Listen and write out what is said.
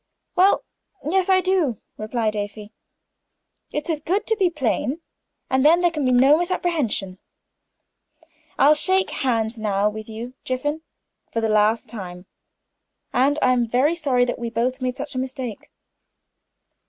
"Well, yes, I do," replied Afy. "It's as good to be plain, and then there can be no misapprehension. I'll shake hands now with you, Jiffin, for the last time; and I am very sorry that we both made such a mistake."